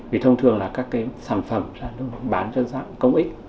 vì thông thường là các sản phẩm bán cho dạng công ích